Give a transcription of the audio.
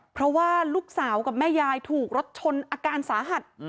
เพราะว่าลูกสาวกับแม่ยายถูกรถชนอาการสาหัส